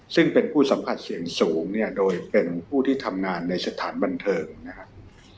ซึ่งเป็นผู้สัมผัสเสี่ยงสูงเนี่ยโดยเป็นผู้ที่ทำงานในสถานบันเทิงนะครับ